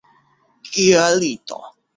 Kia lito!